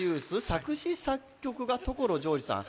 作詞作曲が所ジョージさん